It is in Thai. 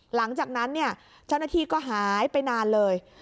หลังจากนั้นเนี่ยเจ้าหน้าที่ก็หายไปนานเลย